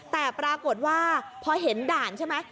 แต่ปรากฏว่าพอเห็นด่านใช่ไหม